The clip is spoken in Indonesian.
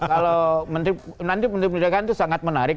kalau nanti menteri kesehatan itu sangat menang